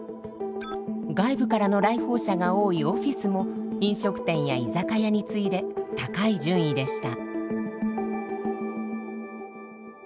外部からの来訪者が多いオフィスも飲食店や居酒屋に次いで高い順位でした。